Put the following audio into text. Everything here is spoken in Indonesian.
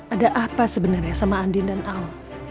ada apa sebenernya sama andin dan aw